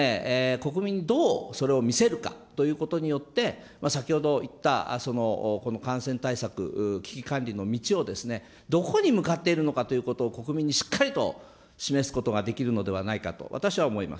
それが国民にどうそれを見せるかということによって、先ほど言った感染対策危機管理の道をどこに向かっているのかということを、国民にしっかりと示すことができるのではないかと、私は思います。